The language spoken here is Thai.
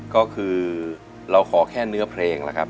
ก็คือเราขอแค่เนื้อเพลงแล้วครับ